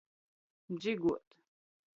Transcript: Dziguot.